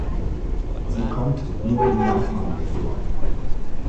Sie kommt nur in Japan vor.